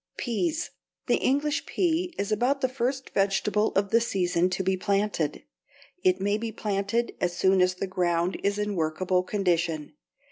=Peas.= The English pea is about the first vegetable of the season to be planted. It may be planted as soon as the ground is in workable condition.